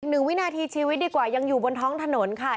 หนึ่งวินาทีชีวิตดีกว่ายังอยู่บนท้องถนนค่ะ